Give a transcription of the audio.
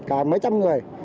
cả mấy trăm người